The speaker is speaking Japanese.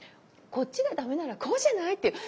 こっちが駄目ならこうじゃないって。